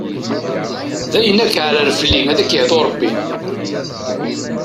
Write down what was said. Dayen akeɛrer fell-i ad k-yehdu ṛebbi!